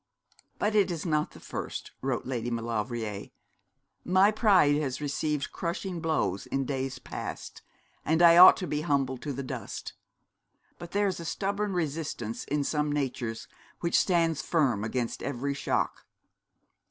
'But it is not the first,' wrote Lady Maulevrier. 'My pride has received crushing blows in days past, and I ought to be humbled to the dust. But there is a stubborn resistance in some natures which stands firm against every shock.